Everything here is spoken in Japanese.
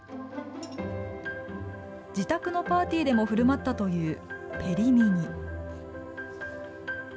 自宅のパーティーでもふるまったというペリミニ。